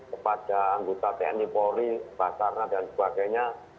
kepada anggota tni polri basarnas dan sebagainya